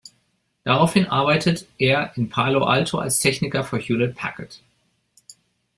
Daraufhin arbeitete er in Palo Alto als Techniker für Hewlett-Packard.